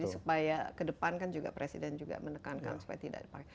tapi kalau dia ke depan kan presiden juga menekankan supaya tidak dipakai